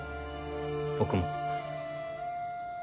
僕も。